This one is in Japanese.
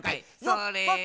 それ。